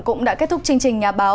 cũng đã kết thúc chương trình nhà báo